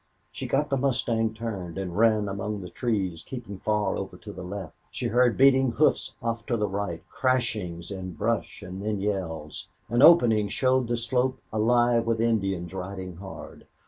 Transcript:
She got the mustang turned, and ran among the trees, keeping far over to the left. She heard beating hoofs off to the right, crashings in brush, and then yells. An opening showed the slope alive with Indians riding hard.